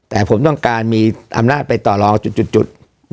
แต่ผมต้องการมีอำนาจไปต่อรองจุด